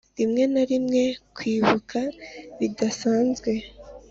rimwe na rimwe, kwibuka bidasanzwe-